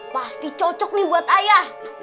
pasti cocok nih buat ayah